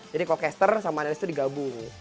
jadi co caster sama analis itu digabung